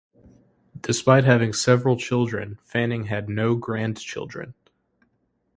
Despite having several children, Fanning had no grandchildren.